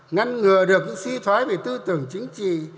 ngăn ngừa được những suy thoái về tư tưởng chính trị